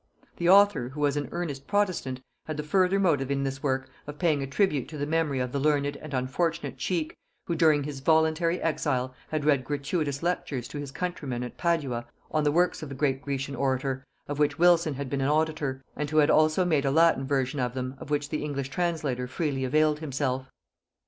The author, who was an earnest protestant, had the further motive in this work of paying a tribute to the memory of the learned and unfortunate Cheke, who during his voluntary exile had read gratuitous lectures to his countrymen at Padua on the works of the great Grecian orator, of which Wylson had been an auditor, and who had also made a Latin version of them, of which the English translator freely availed himself.